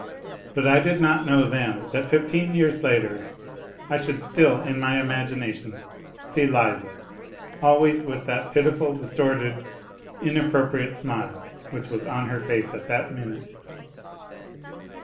But I did not know then, that fifteen years later I should still in my imagination see Liza, always with the pitiful, distorted, inappropriate smile which was on her face at that minute.